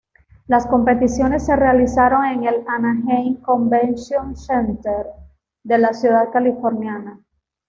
Las competiciones se realizaron en el Anaheim Convention Center de la ciudad californiana.